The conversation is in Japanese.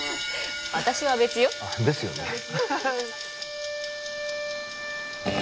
私は別よですよね